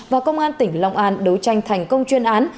và công an tp hcm đấu tranh thành công chuyên án